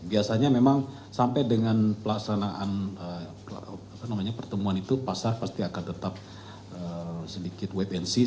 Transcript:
biasanya memang sampai dengan pelaksanaan pertemuan itu pasar pasti akan tetap sedikit wait and see